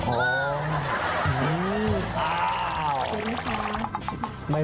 เจ็บมึงไหม